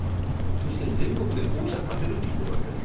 そして全国で候補者立てると言ってるわけです。